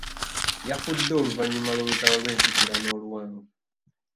Yafudde oluvannyuma lw'olutalo lw'ensikirano oluwanvu.